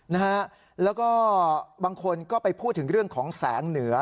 นะฮะแล้วก็บางคนก็ไปพูดถึงเรื่องของแสงเหนือ